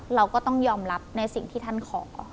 เราก็ต้องยอมรับในสิ่งที่ท่านขอ